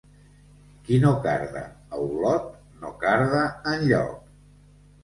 Qui no carda a Olot, no carda enlloc.